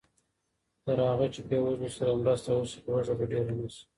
تر هغه چې بېوزلو سره مرسته وشي، لوږه به ډېره نه شي.